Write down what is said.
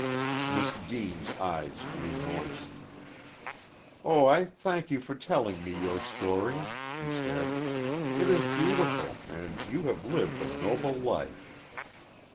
Miss Deane's eyes grew moist. "Oh, I thank you for telling me your story!" she said. "It is beautiful, and you have lived a noble life."